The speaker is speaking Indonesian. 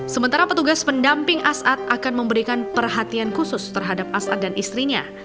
sementara petugas pendamping as'ad akan memberikan perhatian khusus terhadap as'ad dan istrinya